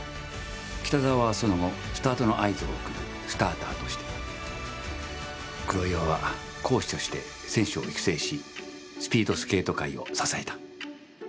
北沢は、その後スタートの合図を送るスターターとして黒岩はコーチとして選手を育成しスピードスケート界を支えた。